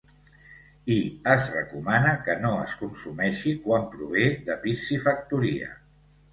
I es recomana que no es consumeixi quan prové de piscifactoria.